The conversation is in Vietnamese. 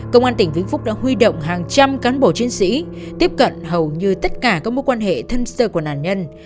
công an tỉnh vĩnh phúc đã huy động hàng trăm cán bộ chiến sĩ tiếp cận hầu như tất cả các mối quan hệ thân sơ của nạn nhân